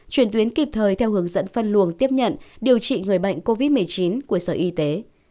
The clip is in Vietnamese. chuyển tuyến kịp thời theo hướng dẫn phân luồng tiếp nhận điều trị người bệnh covid một mươi chín của sở y tế